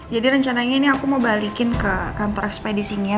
jadi rencananya ini aku mau balikin ke kantor ekspedisi ini ya